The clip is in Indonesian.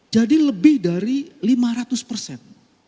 jadi lebih dari lima ratus persen